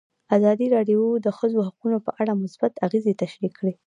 ازادي راډیو د د ښځو حقونه په اړه مثبت اغېزې تشریح کړي.